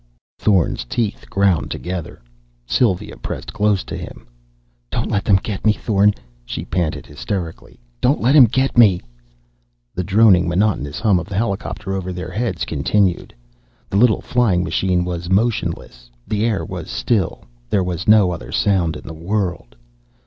Thorn's teeth ground together. Sylva pressed close to him. "Don't let him get me, Thorn," she panted hysterically. "Don't let him get me...." The droning, monotonous hum of the helicopter over their heads continued. The little flying machine was motionless. The air was still. There was no other sound in the world.